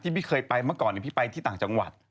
บึนไปที่ต่างจังหวัด